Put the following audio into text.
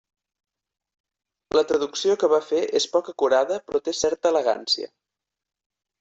La traducció que va fer és poc acurada però té certa elegància.